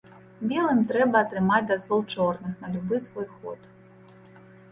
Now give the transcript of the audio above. Белым трэба атрымаць дазвол чорных на любы свой ход.